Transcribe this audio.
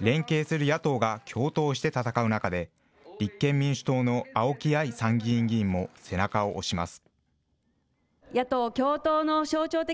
連携する野党が共闘して戦う中で、立憲民主党の青木愛参議院議員も背中を押します。